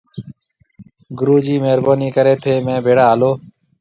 گُرو جِي مهربونِي ڪريَ ٿَي مهيَ ڀيڙا هالو۔